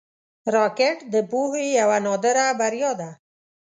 راکټ د پوهې یوه نادره بریا ده